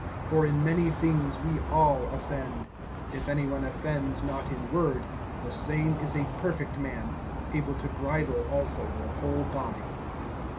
(2)For in many things we all offend. If any one offends not in word, the same is a perfect man, able to bridle also the whole body.